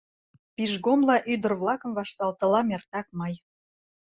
Пижгомла ӱдыр-влакым вашталтылам эртак мый.